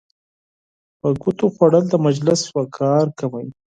په ګوتو خوړل د مجلس وقار کموي.